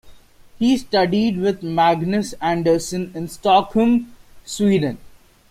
He studied with Magnus Andersson in Stockholm, Sweden.